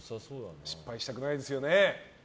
失敗したくないですよね。